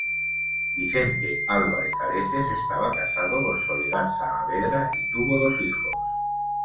Vicente Álvarez Areces estaba casado con Soledad Saavedra y tuvo dos hijos.